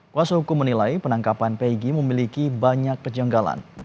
kuasa hukum menilai penangkapan pegi memiliki banyak kejanggalan